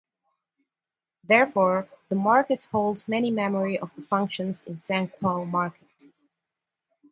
Therefore, the market holds many memory of the functions in Seng Poh market.